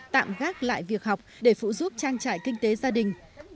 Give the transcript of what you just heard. tạm gác lại việc học để phụ giúp trang trại kinh tế gia đình